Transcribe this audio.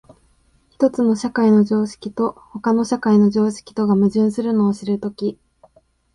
一つの社会の常識と他の社会の常識とが矛盾するのを知るとき、